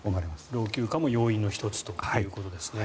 老朽化も要因の１つということですね。